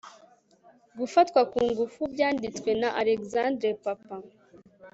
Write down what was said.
gufatwa ku ngufu byanditswe na alexander papa